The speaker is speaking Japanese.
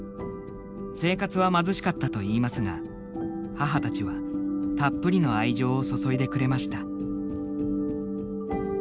生活は貧しかったといいますが母たちはたっぷりの愛情を注いでくれました。